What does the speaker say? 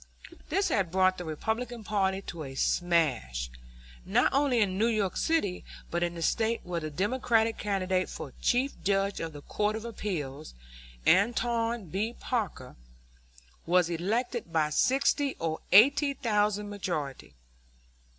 This had brought the Republican party to a smash, not only in New York City, but in the State, where the Democratic candidate for Chief Judge of the Court of Appeals, Alton B. Parker, was elected by sixty or eighty thousand majority.